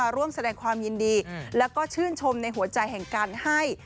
ร่วมแสดงความยินดีแล้วก็ชื่นชมในหัวใจแห่งการให้